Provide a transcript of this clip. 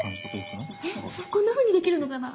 こんなふうにできるのかな？